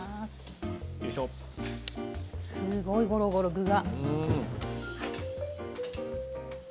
すごい、ゴロゴロ具が。